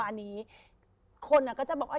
อันนี้คนก็จะบอกว่า